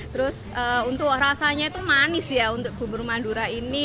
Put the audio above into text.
terus untuk rasanya itu manis ya untuk bubur madura ini